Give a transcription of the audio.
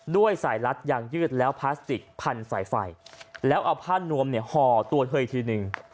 ด้วยสายรัดยางยืดแล้วพลาสติกพันสายไฟแล้วเอาผ้านวมเนี่ยห่อตัวเธออีกทีหนึ่ง